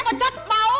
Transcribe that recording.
pecat mau kece